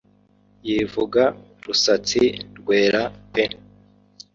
yivuga rusatsi rwera pe